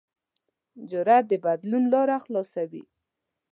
جرأت د بدلون لاره خلاصوي.